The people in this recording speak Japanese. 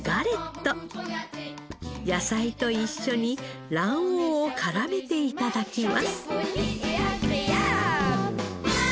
野菜と一緒に卵黄を絡めて頂きます。